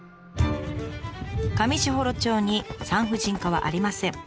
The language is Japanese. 上士幌町に産婦人科はありません。